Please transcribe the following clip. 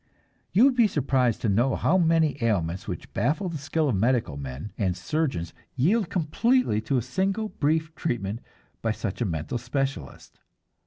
You would be surprised to know how many ailments which baffle the skill of medical men and surgeons yield completely to a single brief treatment by such a mental specialist.